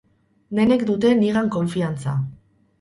Denek dute nigan konfiantza.